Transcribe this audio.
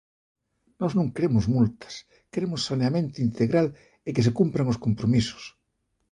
Nós non queremos multas queremos saneamento integral e que se cumpran os compromisos.